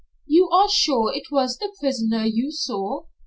"You are sure it was the prisoner you saw?